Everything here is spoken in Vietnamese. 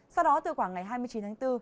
sau đó từ khoảng ngày hai mươi chín tháng bốn